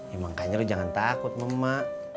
ya makanya lu jangan takut mama